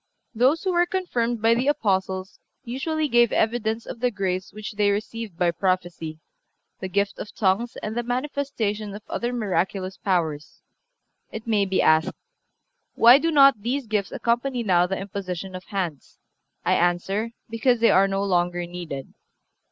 Those who were confirmed by the Apostles usually gave evidence of the grace which they received by prophecy, the gift of tongues and the manifestation of other miraculous powers. It may be asked: Why do not these gifts accompany now the imposition of hands? I answer: Because they are no longer needed.